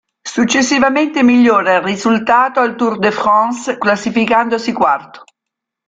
Successivamente migliora il risultato al Tour de France classificandosi quarto.